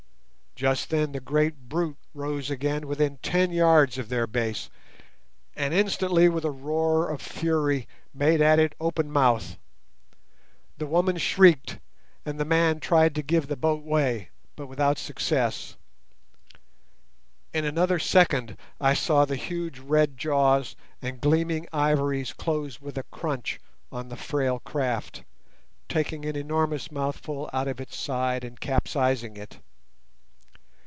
Just then the great brute rose again within ten yards of their base, and instantly with a roar of fury made at it open mouthed. The woman shrieked, and the man tried to give the boat way, but without success. In another second I saw the huge red jaws and gleaming ivories close with a crunch on the frail craft, taking an enormous mouthful out of its side and capsizing it.